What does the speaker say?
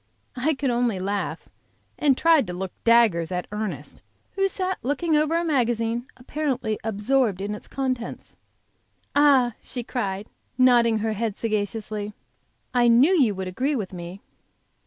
I could only laugh and try to look daggers at Ernest, who sat looking over a magazine, apparently absorbed in its contents. "Ah!" she cried, nodding her head sagaciously, "I knew you would agree with me."